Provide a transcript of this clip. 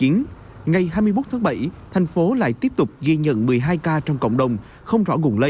ngày hai mươi một tháng bảy thành phố lại tiếp tục ghi nhận một mươi hai ca trong cộng đồng